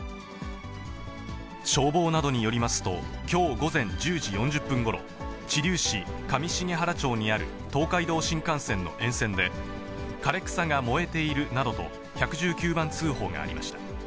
消防などによりますと、きょう午前１０時４０分ごろ、知立市上重原町にある東海道新幹線の沿線で、枯れ草が燃えているなどと１１９番通報がありました。